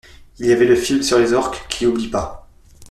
Y avait le film sur les orques qui oublient pas.